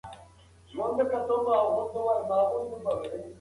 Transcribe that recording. هغه حاصلات چې په طبیعي سرو سره کرل شوي روغتیا ته ګټور دي.